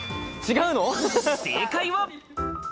正解は。